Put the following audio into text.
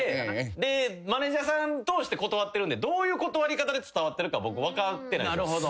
マネージャーさん通して断ってるんでどういう断り方で伝わってるか僕分かってない。